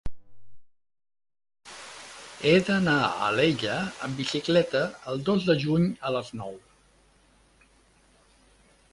He d'anar a Alella amb bicicleta el dos de juny a les nou.